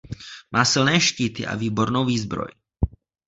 Má silné štíty a výbornou výzbroj.